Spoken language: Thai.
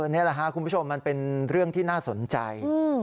นี่แหละครับคุณผู้ชมมันเป็นเรื่องที่น่าสนใจ